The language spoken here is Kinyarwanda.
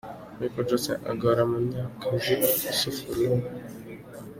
Mico Justin agora Munyakazi Yussuf Rule.